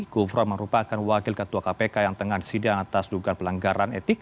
gufron merupakan wakil ketua kpk yang tengah disidang atas dugaan pelanggaran etik